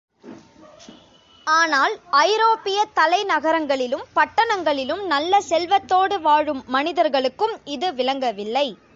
ஆனால் ஐரோப்பியத் தலை நகரங்களிலும், பட்டணங்களிலும் நல்ல செல்வத்தோடு வாழும் மனிதர்களுக்கும் இது விளங்கவில்லை.